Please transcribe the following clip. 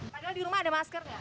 padahal di rumah ada masker ya